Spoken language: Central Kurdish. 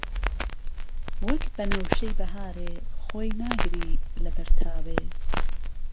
وهک بهنهوشهی بههارێ خۆی ناگری له بهر تاوێ